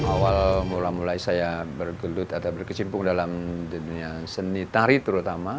awal mula mula saya bergelut atau berkecimpung dalam dunia seni tari terutama